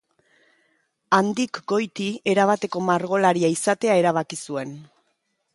Handik goiti erabateko margolaria izatea erabaki zuen.